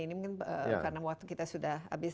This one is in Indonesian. ini mungkin karena waktu kita sudah habis